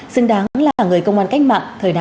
xứng đáng là người công an cách mạng thời đại hồ chí minh